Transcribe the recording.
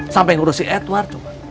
sampai ngurus si edward